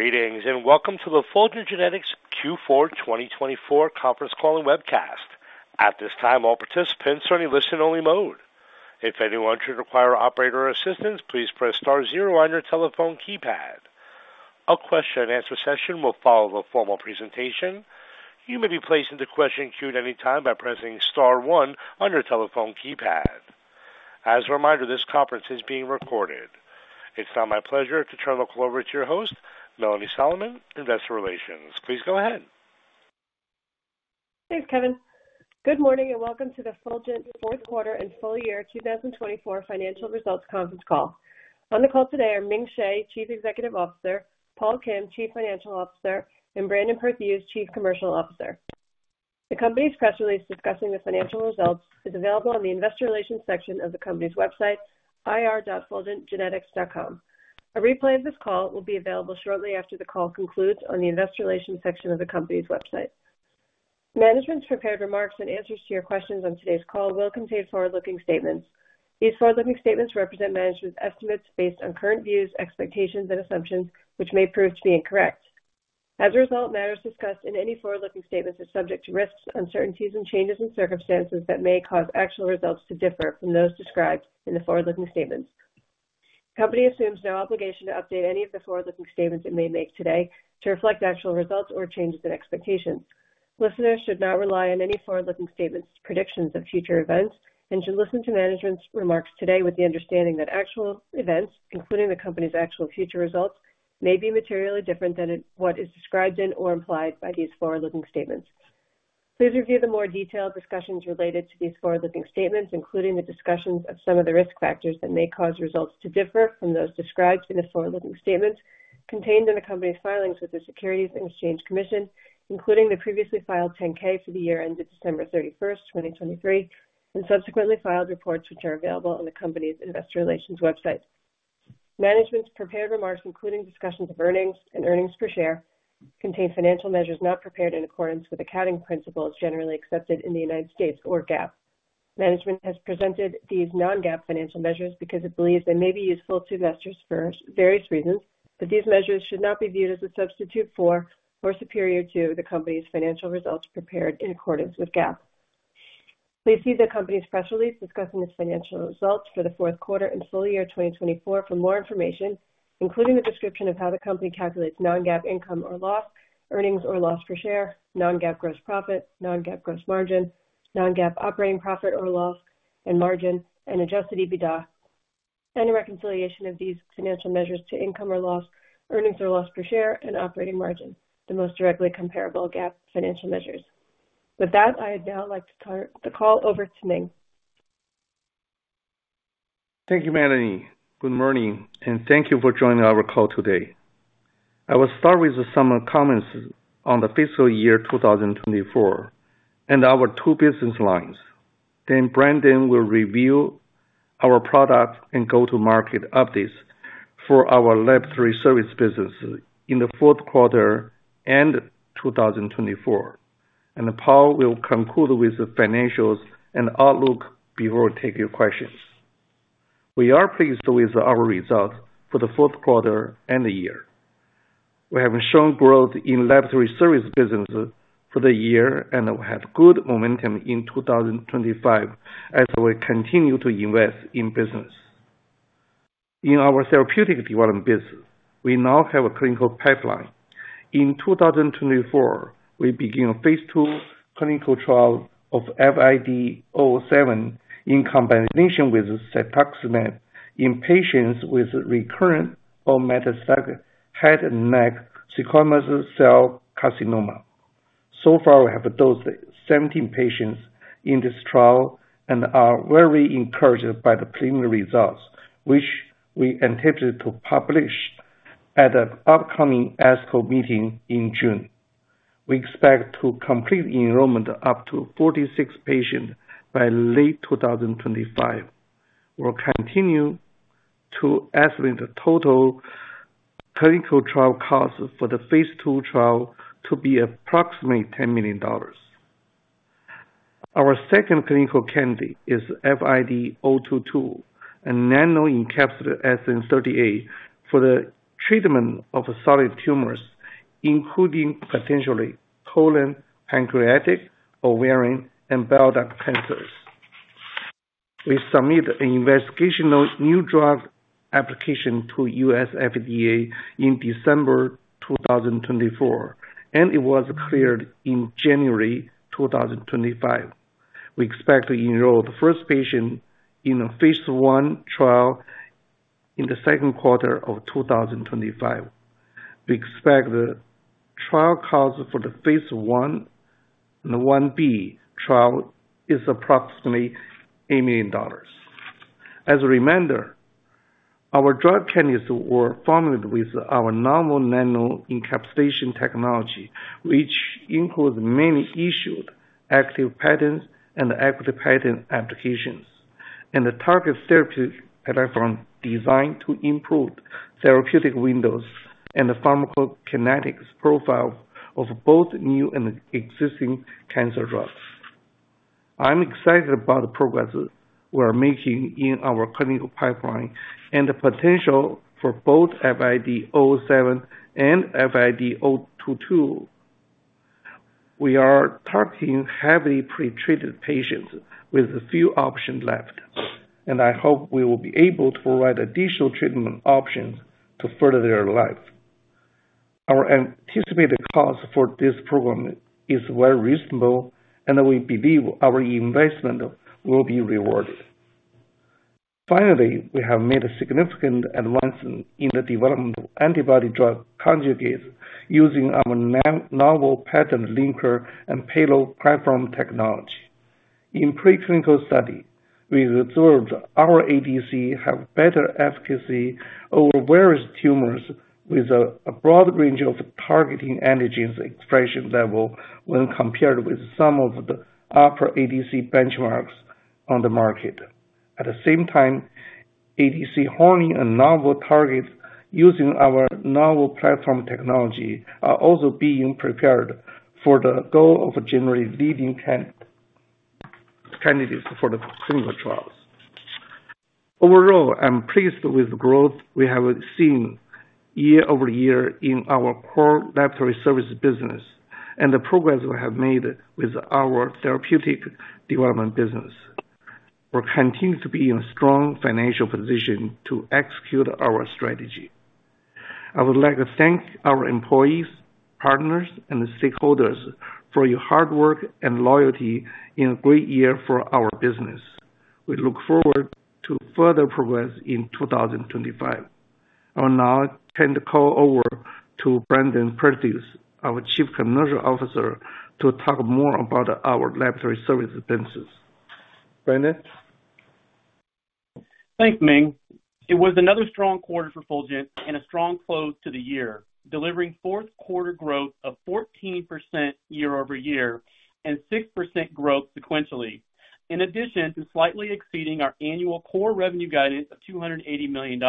Greetings and welcome to the Fulgent Genetics Q4 2024 Conference Call and Webcast. At this time, all participants are in a listen-only mode. If anyone should require operator assistance, please press star zero on your telephone keypad. A question-and-answer session will follow the formal presentation. You may be placed into the question queue at any time by pressing star one on your telephone keypad. As a reminder, this conference is being recorded. It's now my pleasure to turn the call over to your host, Melanie Solomon, Investor Relations. Please go ahead. Thanks, Kevin. Good morning and welcome to the Fulgent Fourth Quarter and Full Year 2024 Financial Results Conference Call. On the call today are Ming Hsieh, Chief Executive Officer; Paul Kim, Chief Financial Officer; and Brandon Perthuis, Chief Commercial Officer. The company's press release discussing the financial results is available on the investor relations section of the company's website, ir.fulgentgenetics.com. A replay of this call will be available shortly after the call concludes on the investor relations section of the company's website. Management's prepared remarks and answers to your questions on today's call will contain forward-looking statements. These forward-looking statements represent management's estimates based on current views, expectations, and assumptions, which may prove to be incorrect. As a result, matters discussed in any forward-looking statements are subject to risks, uncertainties, and changes in circumstances that may cause actual results to differ from those described in the forward-looking statements. The company assumes no obligation to update any of the forward-looking statements it may make today to reflect actual results or changes in expectations. Listeners should not rely on any forward-looking statements' predictions of future events and should listen to management's remarks today with the understanding that actual events, including the company's actual future results, may be materially different than what is described in or implied by these forward-looking statements. Please review the more detailed discussions related to these forward-looking statements, including the discussions of some of the risk factors that may cause results to differ from those described in the forward-looking statements contained in the company's filings with the Securities and Exchange Commission, including the previously filed 10-K for the year ended December 31, 2023, and subsequently filed reports which are available on the company's investor relations website. Management's prepared remarks, including discussions of earnings and earnings per share, contain financial measures not prepared in accordance with accounting principles generally accepted in the United States, or GAAP. Management has presented these non-GAAP financial measures because it believes they may be useful to investors for various reasons, but these measures should not be viewed as a substitute for or superior to the company's financial results prepared in accordance with GAAP. Please see the company's press release discussing its financial results for the Q4 and full year 2024 for more information, including a description of how the company calculates non-GAAP income or loss, earnings or loss per share, non-GAAP gross profit, non-GAAP gross margin, non-GAAP operating profit or loss and margin, and adjusted EBITDA, and the reconciliation of these financial measures to income or loss, earnings or loss per share, and operating margin, the most directly comparable GAAP financial measures. With that, I would now like to turn the call over to Ming. Thank you, Melanie. Good morning, and thank you for joining our call today. I will start with some comments on the fiscal year 2024 and our two business lines. Then Brandon will review our product and go-to-market updates for our Lab 3 service business in the Q4 and 2024, and Paul will conclude with financials and outlook before taking questions. We are pleased with our results for the Q4 and the year. We have shown growth in Lab 3 service business for the year, and we had good momentum in 2025 as we continue to invest in business. In our therapeutic development business, we now have a clinical pipeline. In 2024, we begin phase II clinical trial of FID-007 in combination with cetuximab in patients with recurrent or metastatic head and neck squamous cell carcinoma. So far, we have dosed 17 patients in this trial and are very encouraged by the preliminary results, which we intend to publish at an upcoming ASCO meeting in June. We expect to complete enrollment up to 46 patients by late 2025. We'll continue to estimate the total clinical trial cost for the phase II trial to be approximately $10 million. Our second clinical candidate is FID-022, a nano-encapsulated SN38 for the treatment of solid tumors, including potentially colon, pancreatic, ovarian, and bile duct cancers. We submit an investigational new drug application to U.S. FDA in December 2024, and it was cleared in January 2025. We expect to enroll the first patient in a phase I trial in the second quarter of 2025. We expect the trial cost for the phase I and the phase I B trial is approximately $8 million. As a reminder, our drug candidates were formulated with our novel nano-encapsulation technology, which includes many issued active patents and active patent applications, and the target therapeutic platform designed to improve therapeutic windows and the pharmacokinetics profile of both new and existing cancer drugs. I'm excited about the progress we are making in our clinical pipeline and the potential for both FID-007 and FID-022. We are targeting heavily pretreated patients with few options left, and I hope we will be able to provide additional treatment options to further their lives. Our anticipated cost for this program is very reasonable, and we believe our investment will be rewarded. Finally, we have made a significant advance in the development of antibody drug conjugates using our novel patent linker and payload platform technology. In preclinical studies, we observed our ADC have better efficacy over various tumors with a broad range of targeting antigens expression level when compared with some of the other ADC benchmarks on the market. At the same time, ADC honing and novel targets using our novel platform technology are also being prepared for the goal of generating leading candidates for the clinical trials. Overall, I'm pleased with the growth we have seen year-over-year in our core laboratory service business and the progress we have made with our therapeutic development business. We're continuing to be in a strong financial position to execute our strategy. I would like to thank our employees, partners, and stakeholders for your hard work and loyalty in a great year for our business. We look forward to further progress in 2025. I will now turn the call over to Brandon Perthuis, our Chief Commercial Officer, to talk more about our laboratory service business. Brandon. Thanks, Ming. It was another strong quarter for Fulgent and a strong close to the year, delivering Q4 growth of 14% year-over-year and 6% growth sequentially, in addition to slightly exceeding our annual core revenue guidance of $280 million.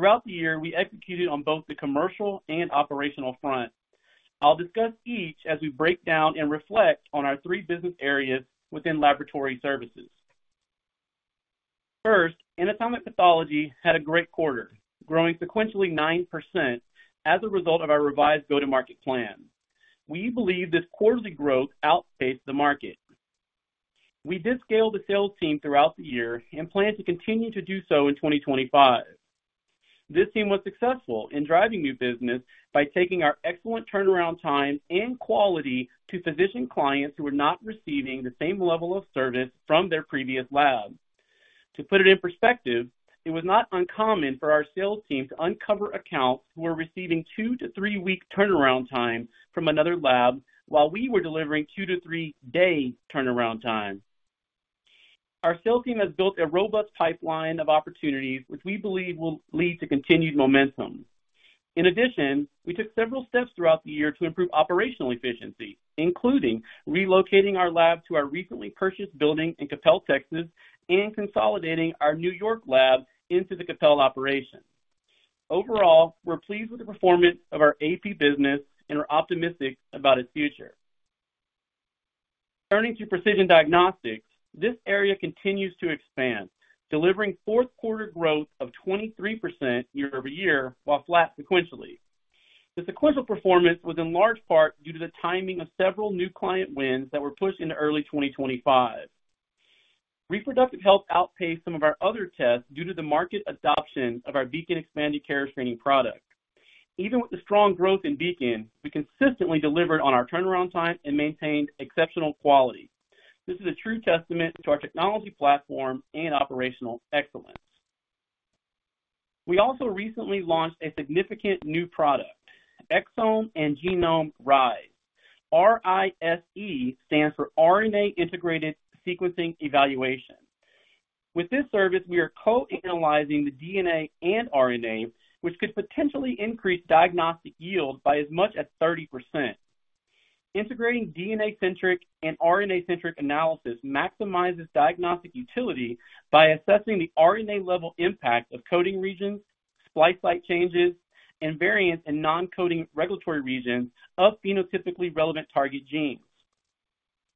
Throughout the year, we executed on both the commercial and operational front. I'll discuss each as we break down and reflect on our three business areas within laboratory services. First, anatomic pathology had a great quarter, growing sequentially 9% as a result of our revised go-to-market plan. We believe this quarterly growth outpaced the market. We did scale the sales team throughout the year and plan to continue to do so in 2025. This team was successful in driving new business by taking our excellent turnaround time and quality to physician clients who were not receiving the same level of service from their previous lab. To put it in perspective, it was not uncommon for our sales team to uncover accounts who were receiving two to three-week turnaround time from another lab while we were delivering two to three-day turnaround time. Our sales team has built a robust pipeline of opportunities, which we believe will lead to continued momentum. In addition, we took several steps throughout the year to improve operational efficiency, including relocating our lab to our recently purchased building in Cypress, Texas, and consolidating our New York lab into the Cypress operation. Overall, we're pleased with the performance of our AP business and are optimistic about its future. Turning to precision diagnostics, this area continues to expand, delivering Q4 growth of 23% year-over-year while flat sequentially. The sequential performance was in large part due to the timing of several new client wins that were pushed into early 2025. Reproductive health outpaced some of our other tests due to the market adoption of our Beacon Expanded Carrier Screening product. Even with the strong growth in Beacon, we consistently delivered on our turnaround time and maintained exceptional quality. This is a true testament to our technology platform and operational excellence. We also recently launched a significant new product, Exome and Genome RISE. RISE stands for RNA Integrated Sequencing Evaluation. With this service, we are co-analyzing the DNA and RNA, which could potentially increase diagnostic yield by as much as 30%. Integrating DNA-centric and RNA-centric analysis maximizes diagnostic utility by assessing the RNA-level impact of coding regions, splice site changes, and variants in non-coding regulatory regions of phenotypically relevant target genes.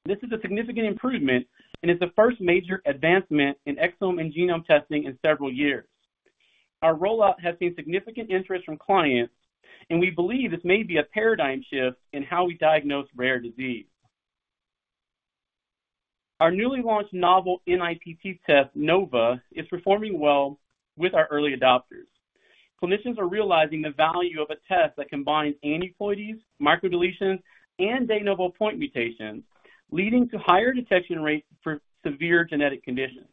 This is a significant improvement and is the first major advancement in exome and genome testing in several years. Our rollout has seen significant interest from clients, and we believe this may be a paradigm shift in how we diagnose rare disease. Our newly launched novel NIPT test, Nova, is performing well with our early adopters. Clinicians are realizing the value of a test that combines aneuploidies, microdeletions, and de novo point mutations, leading to higher detection rates for severe genetic conditions.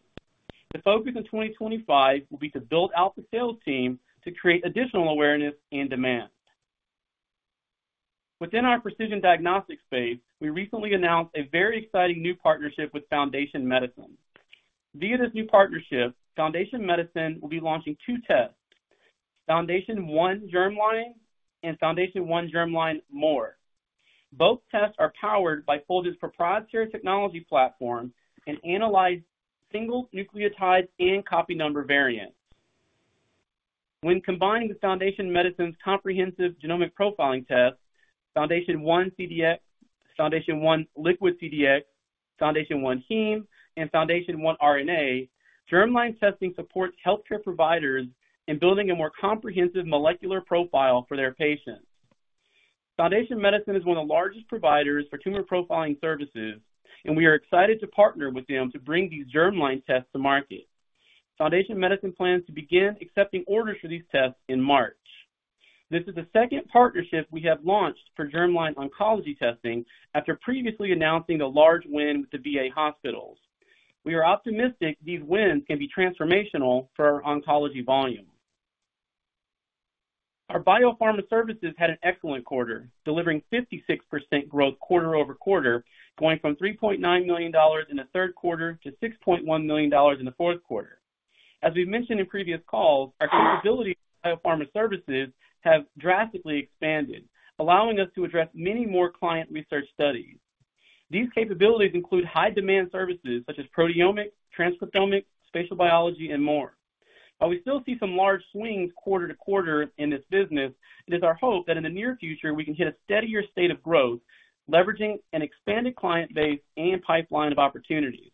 The focus in 2025 will be to build out the sales team to create additional awareness and demand. Within our precision diagnostic space, we recently announced a very exciting new partnership with Foundation Medicine. Via this new partnership, Foundation Medicine will be launching two tests: FoundationOne Germline and FoundationOne Germline More. Both tests are powered by Fulgent's proprietary technology platform and analyze single nucleotide and copy number variants. When combining Foundation Medicine's comprehensive genomic profiling tests, FoundationOne CDx, FoundationOne Liquid CDx, FoundationOne Heme, and FoundationOne RNA, germline testing supports healthcare providers in building a more comprehensive molecular profile for their patients. Foundation Medicine is one of the largest providers for tumor profiling services, and we are excited to partner with them to bring these germline tests to market. Foundation Medicine plans to begin accepting orders for these tests in March. This is the second partnership we have launched for germline oncology testing after previously announcing a large win with the VA hospitals. We are optimistic these wins can be transformational for our oncology volume. Our BioPharma services had an excellent quarter, delivering 56% growth quarter-over-quarter, going from $3.9 million in the third quarter to $6.1 million in the fourth quarter. As we've mentioned in previous calls, our capabilities in BioPharma services have drastically expanded, allowing us to address many more client research studies. These capabilities include high-demand services such as proteomics, transcriptomics, spatial biology, and more. While we still see some large swings quarter to quarter in this business, it is our hope that in the near future, we can hit a steadier state of growth, leveraging an expanded client base and pipeline of opportunities.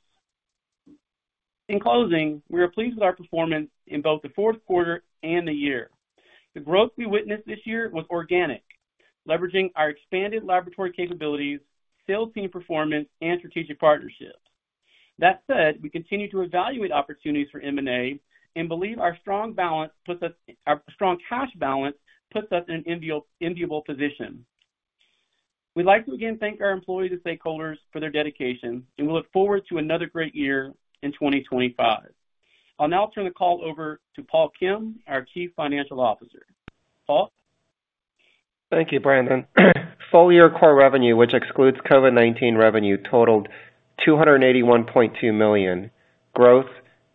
In closing, we are pleased with our performance in both the fourth quarter and the year. The growth we witnessed this year was organic, leveraging our expanded laboratory capabilities, sales team performance, and strategic partnerships. That said, we continue to evaluate opportunities for M&A and believe our strong cash balance puts us in an enviable position. We'd like to again thank our employees and stakeholders for their dedication, and we look forward to another great year in 2025. I'll now turn the call over to Paul Kim, our Chief Financial Officer. Paul? Thank you, Brandon. Full year core revenue, which excludes COVID-19 revenue, totaled $281.2 million, growth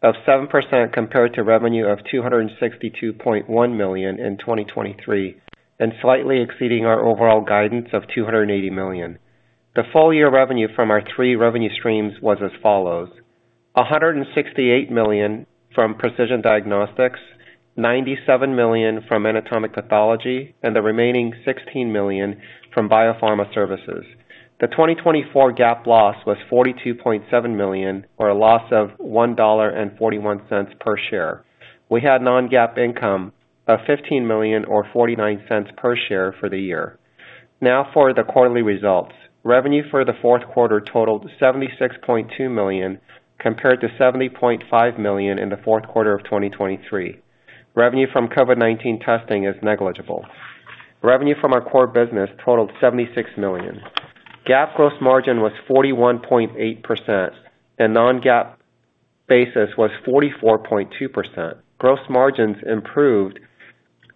of 7% compared to revenue of $262.1 million in 2023, and slightly exceeding our overall guidance of $280 million. The full year revenue from our three revenue streams was as follows: $168 million from precision diagnostics, $97 million from anatomic pathology, and the remaining $16 million from BioPharma services. The 2024 GAAP loss was $42.7 million, or a loss of $1.41 per share. We had non-GAAP income of $15 million, or $0.49 per share for the year. Now for the quarterly results. Revenue for the fourth quarter totaled $76.2 million compared to $70.5 million in the fourth quarter of 2023. Revenue from COVID-19 testing is negligible. Revenue from our core business totaled $76 million. GAAP gross margin was 41.8%. The non-GAAP basis was 44.2%. Gross margins improved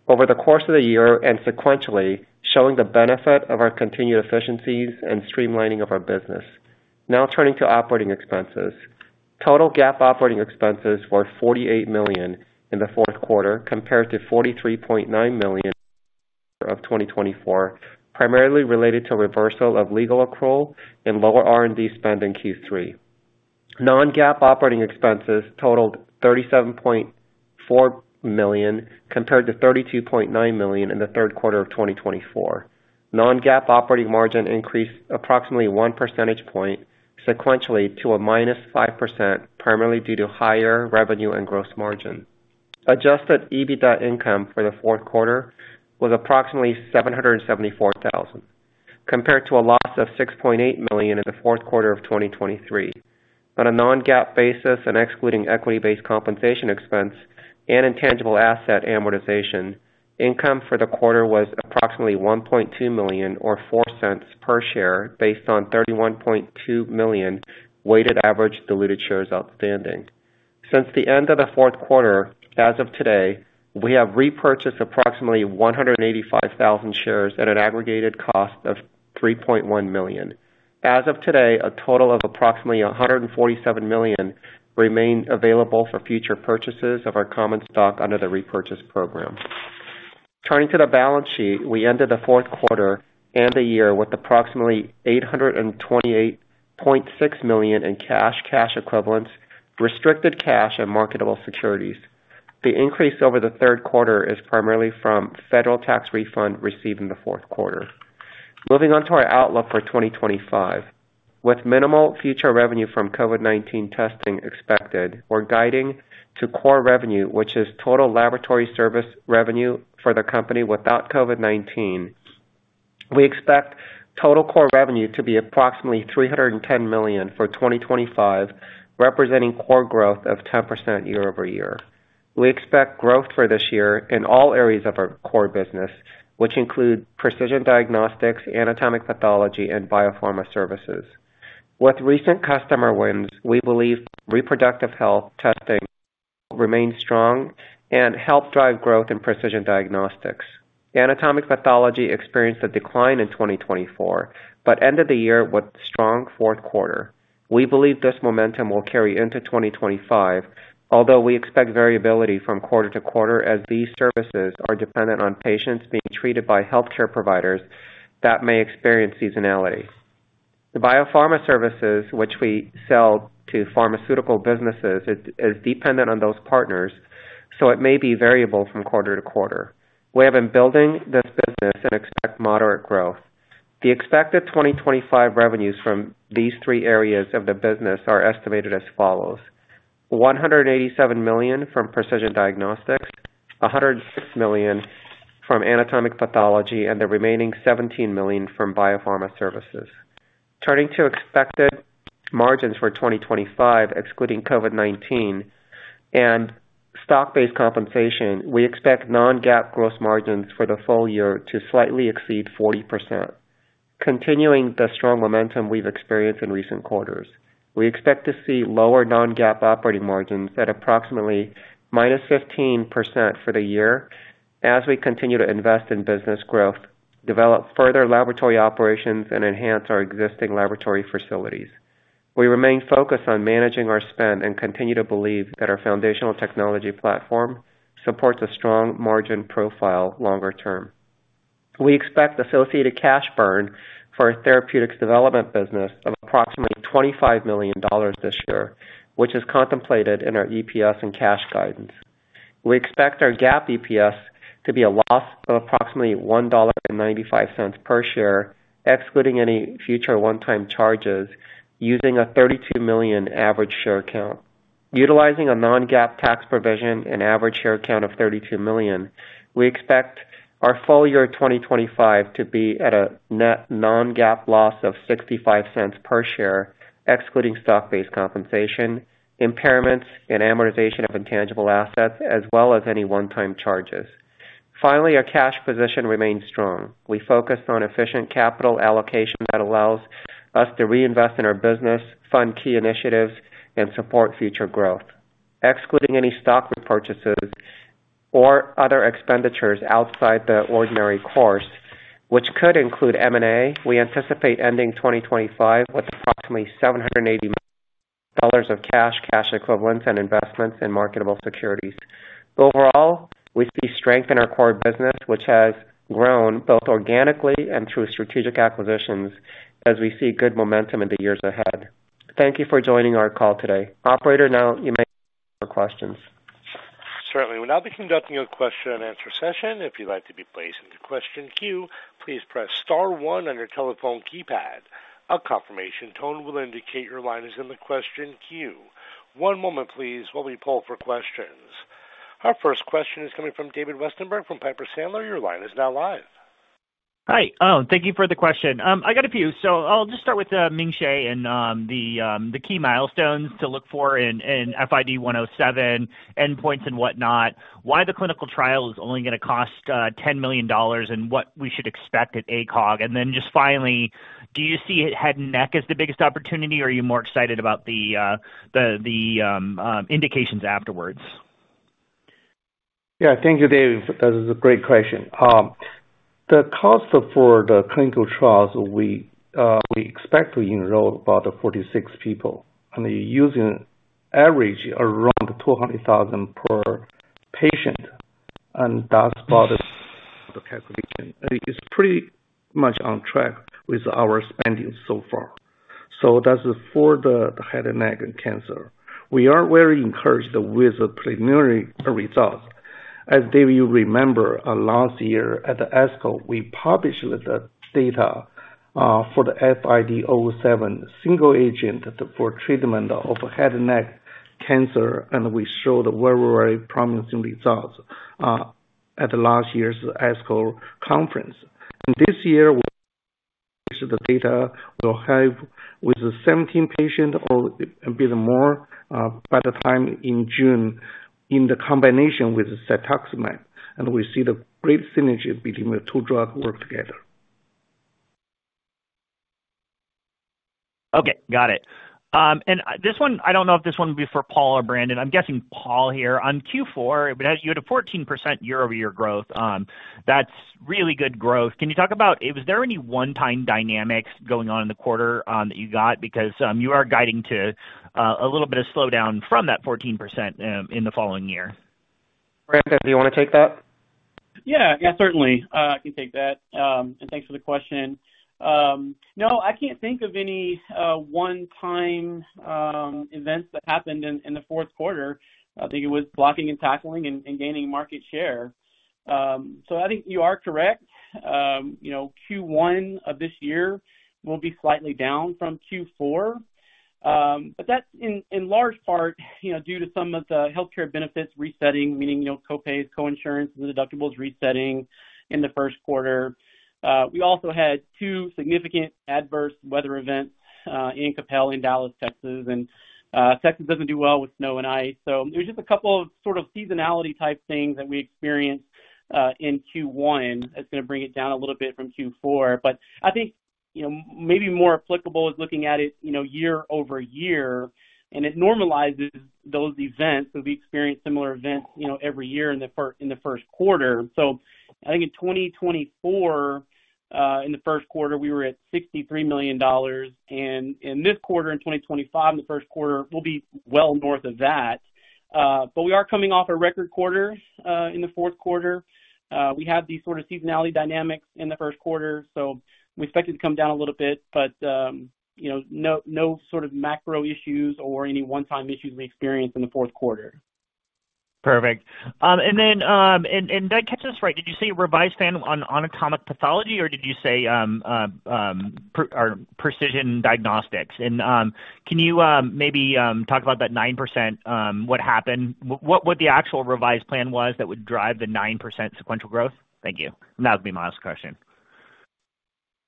over the course of the year and sequentially, showing the benefit of our continued efficiencies and streamlining of our business. Now turning to operating expenses. Total GAAP operating expenses were $48 million in the fourth quarter compared to $43.9 million in 2024, primarily related to reversal of legal accrual and lower R&D spend in Q3. Non-GAAP operating expenses totaled $37.4 million compared to $32.9 million in the third quarter of 2024. Non-GAAP operating margin increased approximately 1 percentage point sequentially to a minus 5%, primarily due to higher revenue and gross margin. Adjusted EBITDA income for the fourth quarter was approximately $774,000 compared to a loss of $6.8 million in the fourth quarter of 2023. On a non-GAAP basis and excluding equity-based compensation expense and intangible asset amortization, income for the quarter was approximately $1.2 million, or $0.04 per share, based on 31.2 million weighted average diluted shares outstanding. Since the end of the fourth quarter, as of today, we have repurchased approximately 185,000 shares at an aggregate cost of $3.1 million. As of today, a total of approximately $147 million remains available for future purchases of our common stock under the repurchase program. Turning to the balance sheet, we ended the fourth quarter and the year with approximately $828.6 million in cash, cash equivalents, restricted cash, and marketable securities. The increase over the third quarter is primarily from a federal tax refund received in the fourth quarter. Moving on to our outlook for 2025. With minimal future revenue from COVID-19 testing expected, or guiding to core revenue, which is total laboratory service revenue for the company without COVID-19, we expect total core revenue to be approximately $310 million for 2025, representing core growth of 10% year-over-year. We expect growth for this year in all areas of our core business, which include precision diagnostics, anatomic pathology, and BioPharma services. With recent customer wins, we believe reproductive health testing remains strong and helps drive growth in precision diagnostics. Anatomic pathology experienced a decline in 2024 but ended the year with a strong fourth quarter. We believe this momentum will carry into 2025, although we expect variability from quarter to quarter as these services are dependent on patients being treated by healthcare providers that may experience seasonality. The BioPharma services, which we sell to pharmaceutical businesses, are dependent on those partners, so it may be variable from quarter to quarter. We have been building this business and expect moderate growth. The expected 2025 revenues from these three areas of the business are estimated as follows: $187 million from precision diagnostics, $106 million from anatomic pathology, and the remaining $17 million from BioPharma services. Turning to expected margins for 2025, excluding COVID-19 and stock-based compensation, we expect non-GAAP gross margins for the full year to slightly exceed 40%, continuing the strong momentum we've experienced in recent quarters. We expect to see lower non-GAAP operating margins at approximately minus 15% for the year as we continue to invest in business growth, develop further laboratory operations, and enhance our existing laboratory facilities. We remain focused on managing our spend and continue to believe that our foundational technology platform supports a strong margin profile longer term. We expect associated cash burn for our therapeutics development business of approximately $25 million this year, which is contemplated in our EPS and cash guidance. We expect our GAAP EPS to be a loss of approximately $1.95 per share, excluding any future one-time charges, using a $32 million average share count. Utilizing a non-GAAP tax provision and average share count of $32 million, we expect our full year of 2025 to be at a net non-GAAP loss of $0.65 per share, excluding stock-based compensation, impairments, and amortization of intangible assets, as well as any one-time charges. Finally, our cash position remains strong. We focus on efficient capital allocation that allows us to reinvest in our business, fund key initiatives, and support future growth, excluding any stock repurchases or other expenditures outside the ordinary course, which could include M&A. We anticipate ending 2025 with approximately $780 million of cash, cash equivalents, and investments in marketable securities. Overall, we see strength in our core business, which has grown both organically and through strategic acquisitions as we see good momentum in the years ahead. Thank you for joining our call today. Operator, now you may ask your questions. Certainly. We'll now be conducting a question-and-answer session. If you'd like to be placed into question queue, please press star one on your telephone keypad. A confirmation tone will indicate your line is in the question queue. One moment, please, while we pull up our questions. Our first question is coming from David Westenberg from Piper Sandler. Your line is now live. Hi. Thank you for the question. I got a few. I'll just start with Ming Hsieh and the key milestones to look for in FID-007, endpoints and whatnot, why the clinical trial is only going to cost $10 million and what we should expect at ASCO. Finally, do you see head and neck as the biggest opportunity, or are you more excited about the indications afterwards? Yeah. Thank you, David. That is a great question. The cost for the clinical trials, we expect to enroll about 46 people, and using average around $200,000 per patient. That's about the calculation. It's pretty much on track with our spending so far. That's for the head and neck and cancer. We are very encouraged with the preliminary results. As David, you remember, last year at the ASCO, we published the data for the FID-007 single agent for treatment of head and neck cancer, and we showed very, very promising results at last year's ASCO conference. This year, the data will have with 17 patients or a bit more by the time in June in the combination with cetuximab. We see the great synergy between the two drugs work together. Okay. Got it. This one, I do not know if this one would be for Paul or Brandon. I am guessing Paul here. On Q4, you had a 14% year-over-year growth. That is really good growth. Can you talk about, was there any one-time dynamics going on in the quarter that you got? Because you are guiding to a little bit of slowdown from that 14% in the following year? Brandon, do you want to take that? Yeah. Yeah, certainly. I can take that. And thanks for the question. No, I can't think of any one-time events that happened in the fourth quarter. I think it was blocking and tackling and gaining market share. So I think you are correct. Q1 of this year will be slightly down from Q4. But that's in large part due to some of the healthcare benefits resetting, meaning copays, coinsurance, and deductibles resetting in the first quarter. We also had two significant adverse weather events in Cypress and Dallas, Texas. And Texas doesn't do well with snow and ice. So it was just a couple of sort of seasonality-type things that we experienced in Q1 that's going to bring it down a little bit from Q4. But I think maybe more applicable is looking at it year-over-year, and it normalizes those events. We experience similar events every year in the first quarter. I think in 2024, in the first quarter, we were at $63 million. In this quarter, in 2025, in the first quarter, we will be well north of that. We are coming off a record quarter in the fourth quarter. We have these sort of seasonality dynamics in the first quarter. We expect it to come down a little bit, but no sort of macro issues or any one-time issues we experienced in the fourth quarter. Perfect. That catches us right. Did you say revised plan on anatomic pathology, or did you say precision diagnostics? Can you maybe talk about that 9%, what happened, what the actual revised plan was that would drive the 9% sequential growth? Thank you. That would be my last question.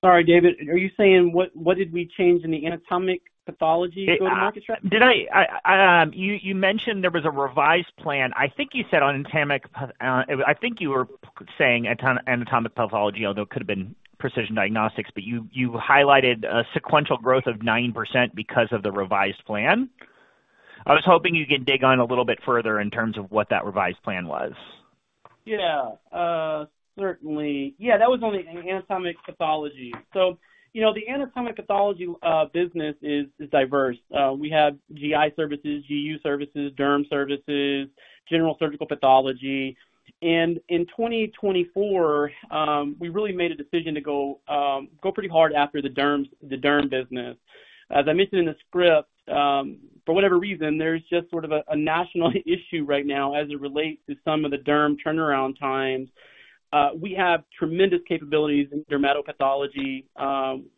Sorry, David. Are you saying what did we change in the anatomic pathology for the market strategy? You mentioned there was a revised plan. I think you said on anatomic, I think you were saying anatomic pathology, although it could have been precision diagnostics, but you highlighted a sequential growth of 9% because of the revised plan. I was hoping you could dig on a little bit further in terms of what that revised plan was? Yeah. Certainly. Yeah, that was only anatomic pathology. The anatomic pathology business is diverse. We have GI services, GU services, derm services, general surgical pathology. In 2024, we really made a decision to go pretty hard after the derm business. As I mentioned in the script, for whatever reason, there's just sort of a national issue right now as it relates to some of the derm turnaround times. We have tremendous capabilities in dermatopathology.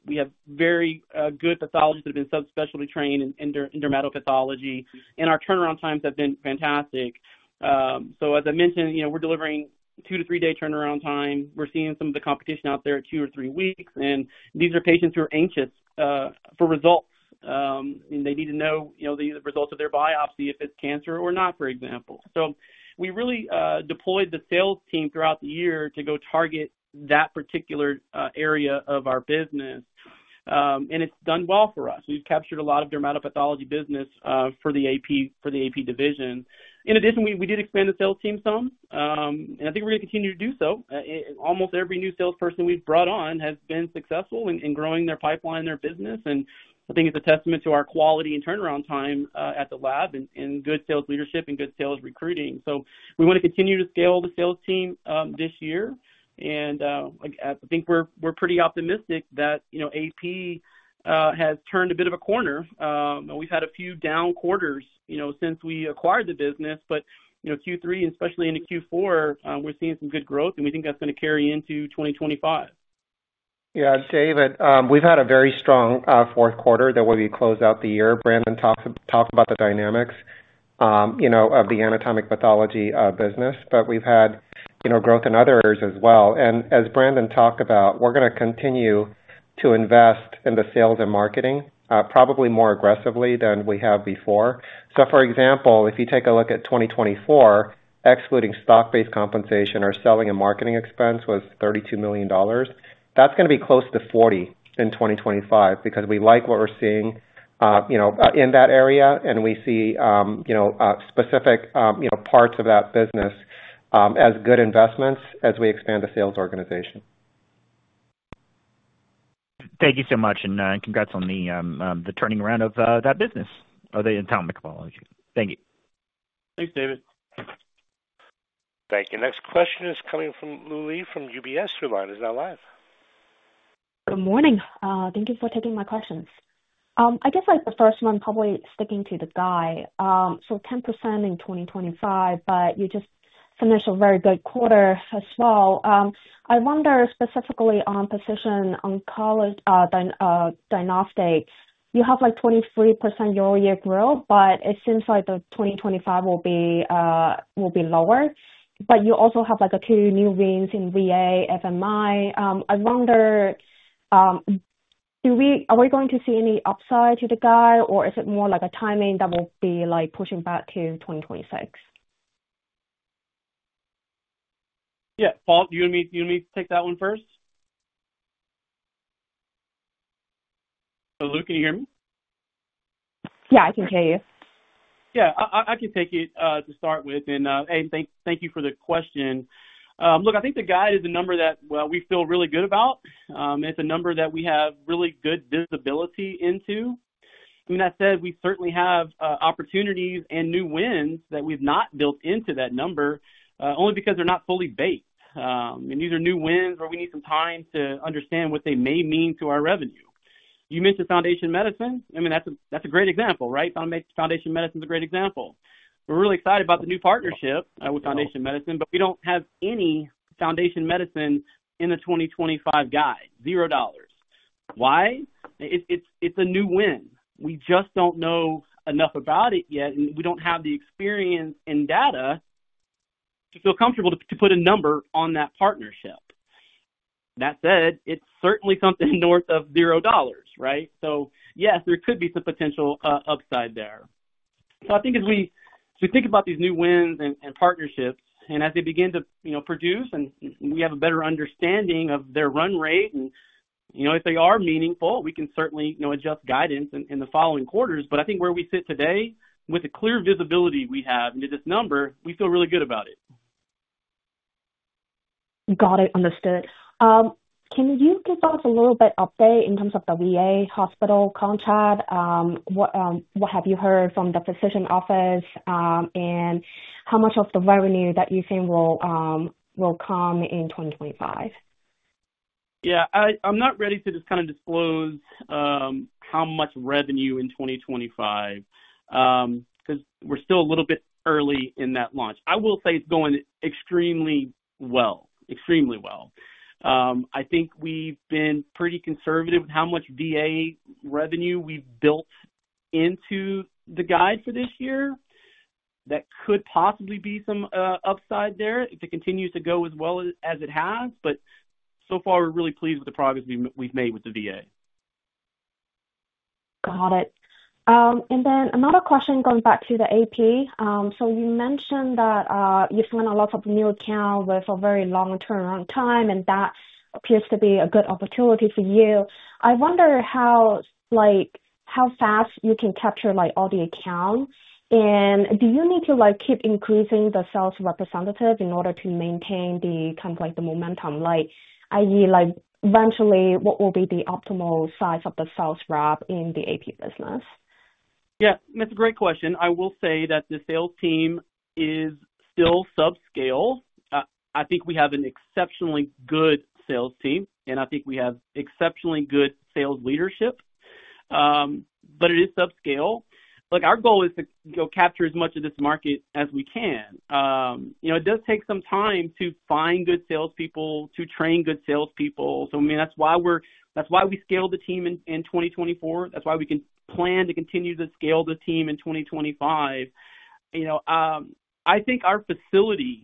We have very good pathologists that have been subspecialty trained in dermatopathology, and our turnaround times have been fantastic. As I mentioned, we're delivering two to three-day turnaround time. We're seeing some of the competition out there at two or three weeks. These are patients who are anxious for results. They need to know the results of their biopsy if it's cancer or not, for example. We really deployed the sales team throughout the year to go target that particular area of our business. It has done well for us. We have captured a lot of dermatopathology business for the AP division. In addition, we did expand the sales team some. I think we are going to continue to do so. Almost every new salesperson we have brought on has been successful in growing their pipeline, their business. I think it is a testament to our quality and turnaround time at the lab and good sales leadership and good sales recruiting. We want to continue to scale the sales team this year. I think we are pretty optimistic that AP has turned a bit of a corner. We have had a few down quarters since we acquired the business. Q3, and especially into Q4, we're seeing some good growth, and we think that's going to carry into 2025. Yeah. David, we've had a very strong fourth quarter that way we close out the year. Brandon talked about the dynamics of the anatomic pathology business, but we've had growth in other areas as well. As Brandon talked about, we're going to continue to invest in the sales and marketing, probably more aggressively than we have before. For example, if you take a look at 2024, excluding stock-based compensation, our selling and marketing expense was $32 million. That's going to be close to $40 million in 2025 because we like what we're seeing in that area, and we see specific parts of that business as good investments as we expand the sales organization. Thank you so much. Congrats on the turning around of that business of the anatomic pathology. Thank you. Thanks, David. Thank you. Next question is coming from Lu Li from UBS. Now live. Good morning. Thank you for taking my questions. I guess the first one probably sticking to the guide. So 10% in 2025, but you just finished a very good quarter as well. I wonder specifically on precision oncology diagnostics, you have 23% year-over-year growth, but it seems like 2025 will be lower. But you also have two new veins in VA, FMI. I wonder, are we going to see any upside to the guide, or is it more like a timing that will be pushing back to 2026? Yeah. Paul, do you want me to take that one first? Lu Li, can you hear me? Yeah, I can hear you. Yeah. I can take it to start with. Thank you for the question. Look, I think the guide is a number that, well, we feel really good about. It is a number that we have really good visibility into. I mean, that said, we certainly have opportunities and new wins that we have not built into that number only because they are not fully baked. These are new wins where we need some time to understand what they may mean to our revenue. You mentioned Foundation Medicine. I mean, that is a great example, right? Foundation Medicine is a great example. We are really excited about the new partnership with Foundation Medicine, but we do not have any Foundation Medicine in the 2025 guide, $0. Why? It is a new win. We just don't know enough about it yet, and we don't have the experience and data to feel comfortable to put a number on that partnership. That said, it's certainly something north of $0, right? Yes, there could be some potential upside there. I think as we think about these new wins and partnerships and as they begin to produce and we have a better understanding of their run rate, and if they are meaningful, we can certainly adjust guidance in the following quarters. I think where we sit today with the clear visibility we have into this number, we feel really good about it. Got it. Understood. Can you give us a little bit update in terms of the VA hospital contract? What have you heard from the physician office and how much of the revenue that you think will come in 2025? Yeah. I'm not ready to just kind of disclose how much revenue in 2025 because we're still a little bit early in that launch. I will say it's going extremely well, extremely well. I think we've been pretty conservative with how much VA revenue we've built into the guide for this year. That could possibly be some upside there if it continues to go as well as it has. So far, we're really pleased with the progress we've made with the VA. Got it. Another question going back to the AP. You mentioned that you've seen a lot of new accounts with a very long turnaround time, and that appears to be a good opportunity for you. I wonder how fast you can capture all the accounts. Do you need to keep increasing the sales representative in order to maintain the kind of momentum? I mean, eventually, what will be the optimal size of the sales rep in the AP business? Yeah. That's a great question. I will say that the sales team is still subscale. I think we have an exceptionally good sales team, and I think we have exceptionally good sales leadership. It is subscale. Our goal is to capture as much of this market as we can. It does take some time to find good salespeople, to train good salespeople. I mean, that's why we scaled the team in 2024. That's why we can plan to continue to scale the team in 2025. I think our facility,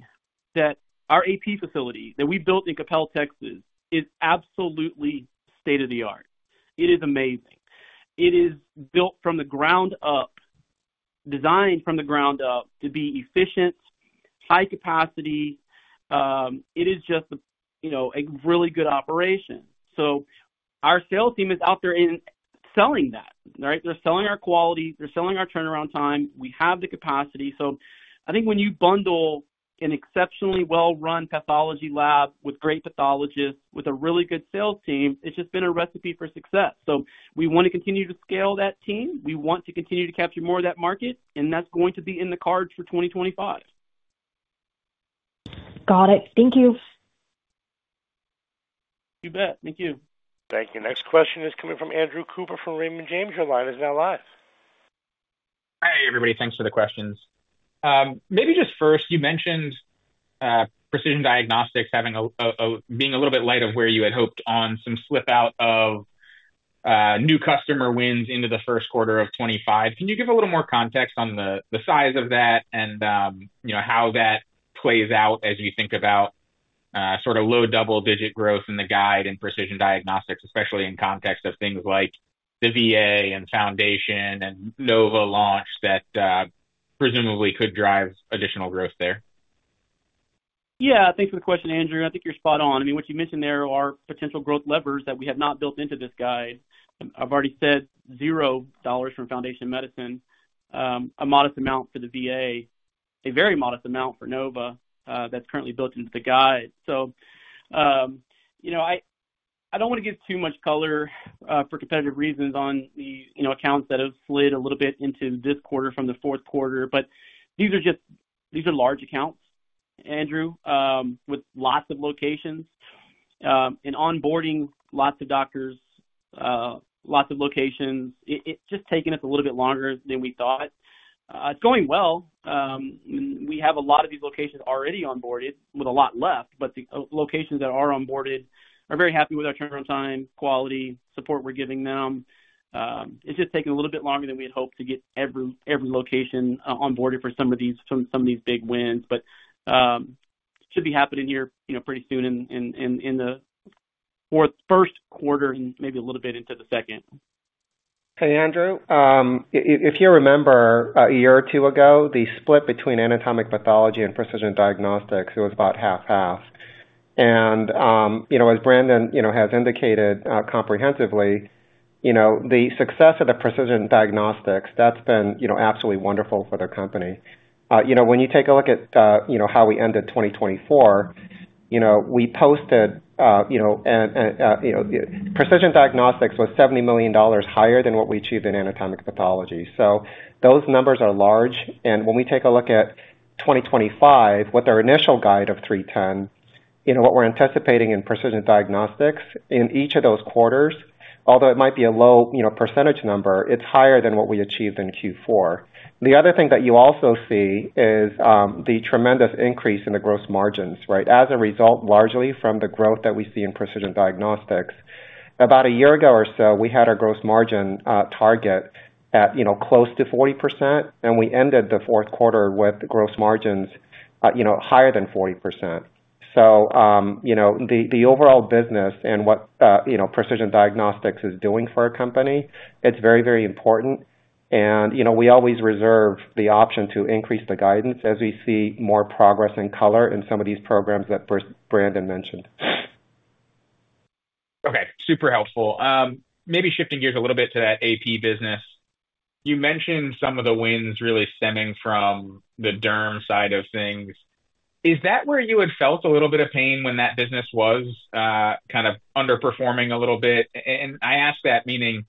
our AP facility that we built in Cypress, Texas, is absolutely state of the art. It is amazing. It is built from the ground up, designed from the ground up to be efficient, high capacity. It is just a really good operation. Our sales team is out there and selling that, right? They're selling our quality. They're selling our turnaround time. We have the capacity. I think when you bundle an exceptionally well-run pathology lab with great pathologists, with a really good sales team, it's just been a recipe for success. We want to continue to scale that team. We want to continue to capture more of that market, and that's going to be in the cards for 2025. Got it. Thank you. You bet. Thank you. Thank you. Next question is coming from Andrew Cooper from Raymond James. Now live. Hey, everybody. Thanks for the questions. Maybe just first, you mentioned precision diagnostics being a little bit light of where you had hoped on some slip-out of new customer wins into the first quarter of 2025. Can you give a little more context on the size of that and how that plays out as you think about sort of low double-digit growth in the guide and precision diagnostics, especially in context of things like the VA and Foundation and Nova launch that presumably could drive additional growth there? Yeah. Thanks for the question, Andrew. I think you're spot on. I mean, what you mentioned there are potential growth levers that we have not built into this guide. I've already said $0 from Foundation Medicine, a modest amount for the VA, a very modest amount for Nova that's currently built into the guide. I do not want to give too much color for competitive reasons on the accounts that have slid a little bit into this quarter from the fourth quarter. These are large accounts, Andrew, with lots of locations and onboarding lots of doctors, lots of locations. It's just taken us a little bit longer than we thought. It's going well. We have a lot of these locations already onboarded with a lot left, but the locations that are onboarded are very happy with our turnaround time, quality support we're giving them. It's just taken a little bit longer than we had hoped to get every location onboarded for some of these big wins. It should be happening here pretty soon in the first quarter and maybe a little bit into the second. Hey, Andrew. If you remember a year or two ago, the split between anatomic pathology and precision diagnostics was about half-half. As Brandon has indicated comprehensively, the success of the precision diagnostics, that's been absolutely wonderful for the company. When you take a look at how we ended 2024, we posted precision diagnostics was $70 million higher than what we achieved in anatomic pathology. Those numbers are large. When we take a look at 2025, with our initial guide of $310 million, what we're anticipating in precision diagnostics in each of those quarters, although it might be a low % number, it's higher than what we achieved in Q4. The other thing that you also see is the tremendous increase in the gross margins, right? As a result, largely from the growth that we see in precision diagnostics. About a year ago or so, we had our gross margin target at close to 40%, and we ended the fourth quarter with gross margins higher than 40%. The overall business and what precision diagnostics is doing for our company, it's very, very important. We always reserve the option to increase the guidance as we see more progress and color in some of these programs that Brandon mentioned. Okay. Super helpful. Maybe shifting gears a little bit to that AP business. You mentioned some of the wins really stemming from the derm side of things. Is that where you had felt a little bit of pain when that business was kind of underperforming a little bit? I ask that meaning,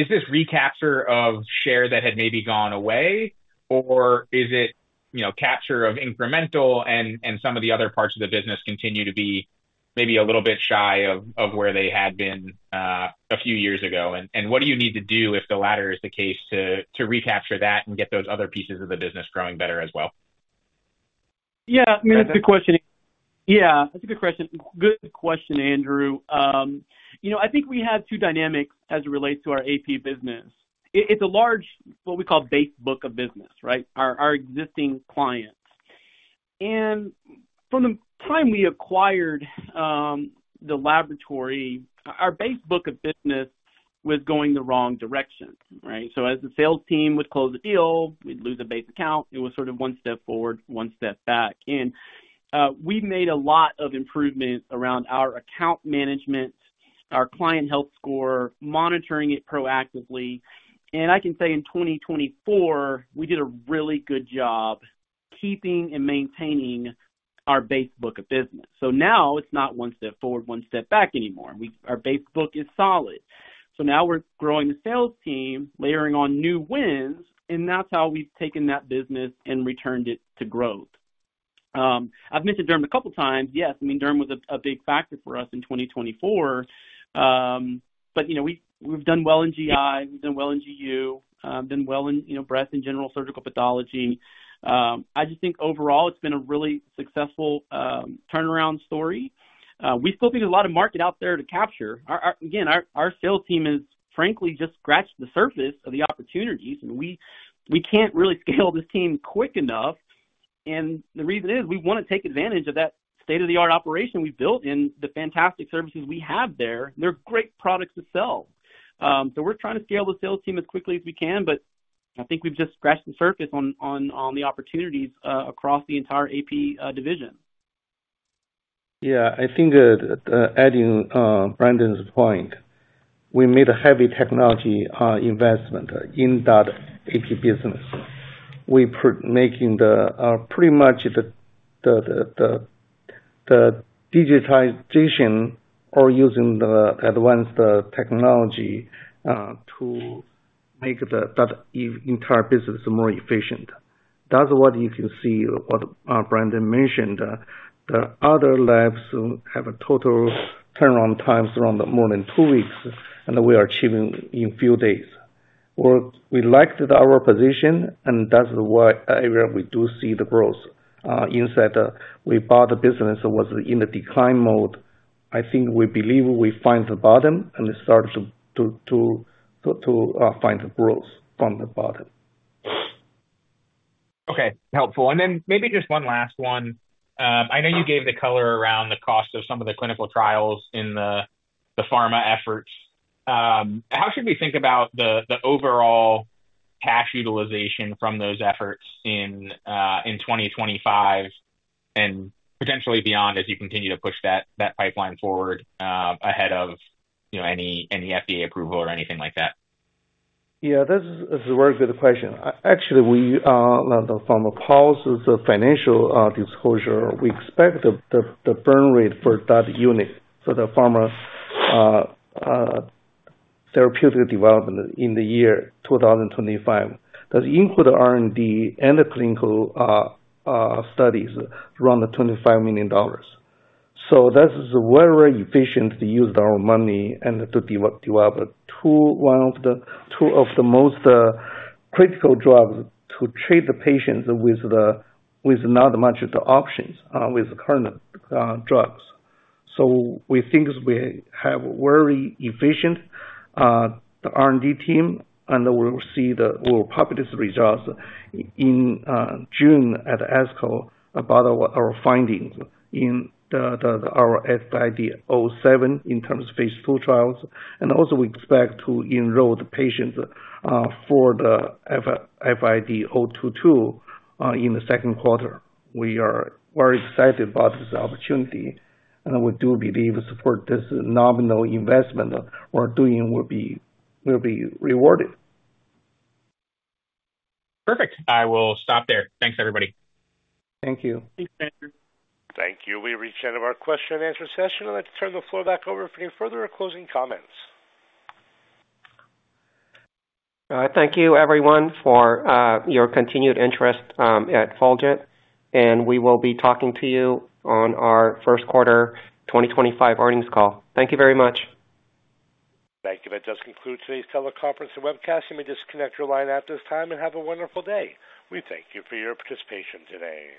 is this recapture of share that had maybe gone away, or is it capture of incremental and some of the other parts of the business continue to be maybe a little bit shy of where they had been a few years ago? What do you need to do if the latter is the case to recapture that and get those other pieces of the business growing better as well? Yeah. I mean, that's a good question. Yeah. That's a good question. Good question, Andrew. I think we have two dynamics as it relates to our AP business. It's a large, what we call, base book of business, right? Our existing clients. From the time we acquired the laboratory, our base book of business was going the wrong direction, right? As the sales team would close a deal, we'd lose a base account. It was sort of one step forward, one step back. We've made a lot of improvement around our account management, our client health score, monitoring it proactively. I can say in 2024, we did a really good job keeping and maintaining our base book of business. Now it's not one step forward, one step back anymore. Our base book is solid. We're growing the sales team, layering on new wins, and that's how we've taken that business and returned it to growth. I've mentioned derm a couple of times. Yes. I mean, derm was a big factor for us in 2024. We've done well in GI. We've done well in GU. We've done well in breast and general surgical pathology. I just think overall, it's been a really successful turnaround story. We still think there's a lot of market out there to capture. Again, our sales team is, frankly, just scratched the surface of the opportunities. I mean, we can't really scale this team quick enough. The reason is we want to take advantage of that state-of-the-art operation we've built and the fantastic services we have there. They're great products to sell. We're trying to scale the sales team as quickly as we can, but I think we've just scratched the surface on the opportunities across the entire AP division. Yeah. I think adding Brandon's point, we made a heavy technology investment in that AP business. We're making pretty much the digitization or using the advanced technology to make that entire business more efficient. That's what you can see what Brandon mentioned. The other labs have total turnaround times around more than two weeks, and we are achieving in a few days. We liked our position, and that's why we do see the growth. Inside, we bought the business that was in the decline mode. I think we believe we found the bottom and started to find the growth from the bottom. Okay. Helpful. Maybe just one last one. I know you gave the color around the cost of some of the clinical trials in the pharma efforts. How should we think about the overall cash utilization from those efforts in 2025 and potentially beyond as you continue to push that pipeline forward ahead of any FDA approval or anything like that? Yeah. That's a very good question. Actually, the pharma policy is a financial disclosure. We expect the burn rate for that unit, for the pharma therapeutic development in the year 2025, that includes R&D and clinical studies, around $25 million. That's very, very efficient to use our money and to develop two of the most critical drugs to treat the patients with not much of the options with current drugs. We think we have a very efficient R&D team, and we'll see the public results in June at ASCO about our findings in our FID-007 in terms of phase II trials. We also expect to enroll the patients for the FID-022 in the second quarter. We are very excited about this opportunity, and we do believe support this nominal investment we're doing will be rewarded. Perfect. I will stop there. Thanks, everybody. Thank you. Thank you, Andrew. Thank you. We reached the end of our question-and-answer session. I'd like to turn the floor back over for any further or closing comments. Thank you, everyone, for your continued interest at Fulgent. We will be talking to you on our first quarter 2025 earnings call. Thank you very much. Thank you. That does conclude today's teleconference and webcast. You may disconnect your line at this time and have a wonderful day. We thank you for your participation today.